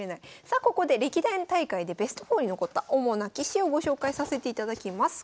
さあここで歴代の大会でベスト４に残った主な棋士をご紹介させていただきます。